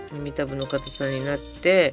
耳たぶの固さになって。